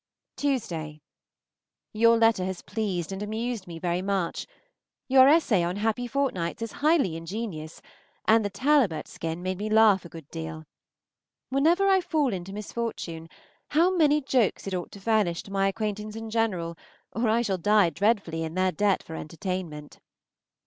Tuesday. Your letter has pleased and amused me very much. Your essay on happy fortnights is highly ingenious, and the talobert skin made me laugh a good deal. Whenever I fall into misfortune, how many jokes it ought to furnish to my acquaintance in general, or I shall die dreadfully in their debt for entertainment.